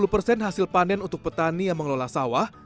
lima puluh persen hasil panen untuk petani yang mengelola sawah